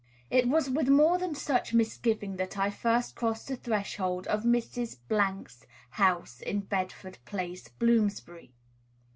It was with more than such misgiving that I first crossed the threshold of Mrs. 's house in Bedford Place, Bloomsbury.